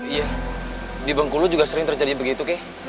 iya di bangku lu juga sering terjadi begitu kek